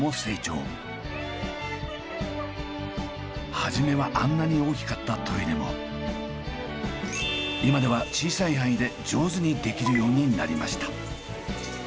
初めはあんなに今では小さい範囲で上手にできるようになりました。